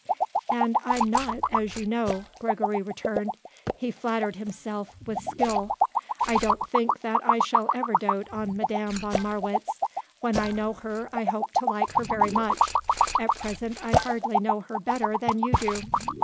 "And I'm not, as you know," Gregory returned, he flattered himself, with skill. "I don't think that I shall ever dote on Madame von Marwitz. When I know her I hope to like her very much. At present I hardly know her better than you do."